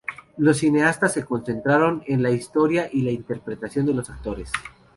Los cineastas se concentraron en la historia y la interpretación de los actores.